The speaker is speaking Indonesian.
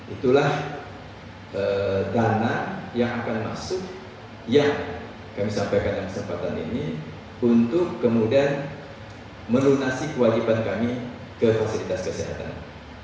itulah dana yang akan masuk yang kami sampaikan dalam kesempatan ini untuk kemudian melunasi kewajiban kami ke fasilitas kesehatan